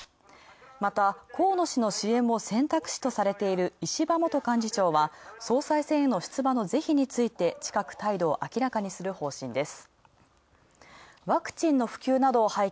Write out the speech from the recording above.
また河野氏の支援も選択肢とされている石破元幹事長は、総裁選への出馬の是非について近く態度を明らかにする方針です。